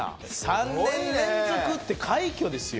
３年連続って快挙ですよ。